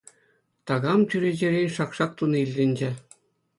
Такам чӳречерен шак-шак туни илтӗнчӗ.